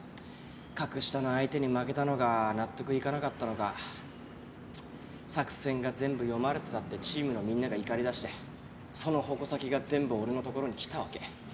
格下の相手に負けたのが納得いかなかったのか「作戦が全部読まれてた」ってチームのみんなが怒りだしてその矛先が全部俺のところに来たわけ。